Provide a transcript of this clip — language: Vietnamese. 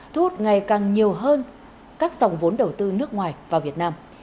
thu hút ngày càng nhiều hơn các dòng vốn đầu tư nước ngoài vào việt nam